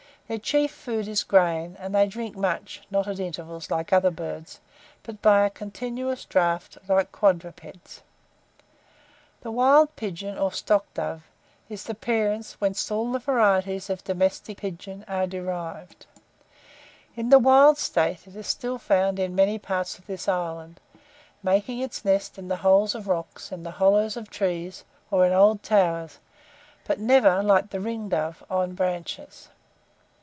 Their chief food is grain, and they drink much; not at intervals, like other birds, but by a continuous draught, like quadrupeds. The wild pigeon, or stockdove, is the parent whence all the varieties of the domestic pigeon are derived. In the wild state it is still found in many parts of this island, making its nest in the holes of rocks, in the hollows of trees, or in old towers, but never, like the ringdove, on branches.